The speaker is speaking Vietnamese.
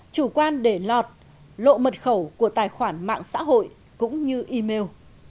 chủ quan để lọt lộ mật khẩu của tài khoản mạng xã hội cũng như email